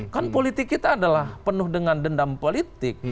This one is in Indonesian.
kan politik kita adalah penuh dengan dendam politik